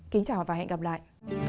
kính chào và hẹn gặp lại